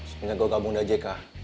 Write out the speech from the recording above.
sebenernya gua gabung di jg